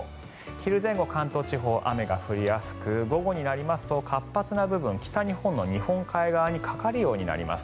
昼前後、関東地方雨が降りやすく午後になりますと活発な部分北日本の日本海側にかかるようになります。